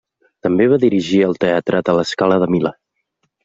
També va dirigir al Teatre de La Scala de Milà.